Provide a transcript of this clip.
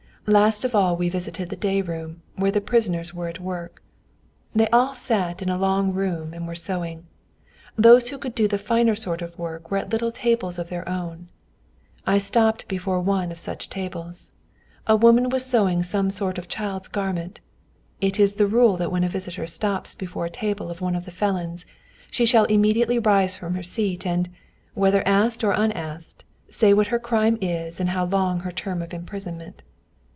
Last of all we visited the day room, where the prisoners were at work. They all sat in a long room, and were sewing. Those who could do the finer sort of work were at little tables of their own. I stopped before one of such tables; a woman was sewing some sort of child's garment. It is the rule that when a visitor stops before the table of one of the felons, she shall immediately rise from her seat and, whether asked or unasked, say what her crime is and how long her term of imprisonment.